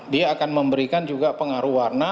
dia akan memberikan juga pengaruh warna